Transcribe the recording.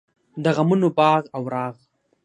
د غمونو باغ او راغ.